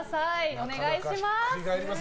お願いします。